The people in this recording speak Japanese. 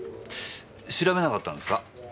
調べなかったんですか？